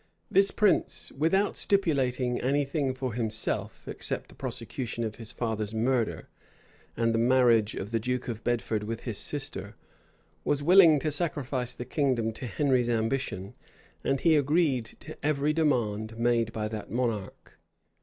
This prince, without stipulating any thing for himself, except the prosecution of his father's murder, and the marriage of the duke of Bedford with his sister, was willing to sacrifice the kingdom to Henry's ambition; and he agreed to every demand made by that monarch.